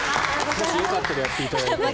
もしよかったらやっていただいて。